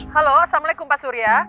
halo assalamualaikum pak surya